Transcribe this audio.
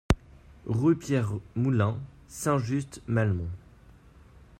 Rue Pierre Moulin, Saint-Just-Malmont